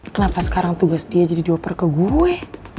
kenapa sekarang tugas dia jadi doper ke gue